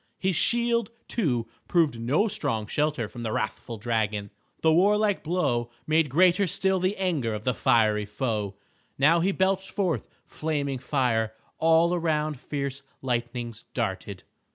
His shield, too, proved no strong shelter from the wrathful dragon. The warlike blow made greater still the anger of the fiery foe. Now he belched forth flaming fire. All around fierce lightnings darted.